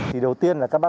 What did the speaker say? thì đầu tiên là các bác tài